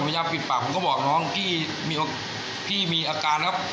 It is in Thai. ผมยังผิดปากผมก็บอกน้องพี่พี่มีอาการนะครับ